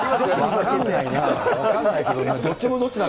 分かんないけどな。